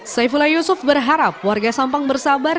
saifullah yusuf berharap warga sampang bersabar